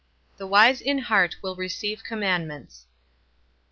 "The wise in heart will receive commandments."